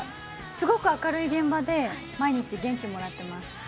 すごく明るい現場で、毎日、元気もらってます。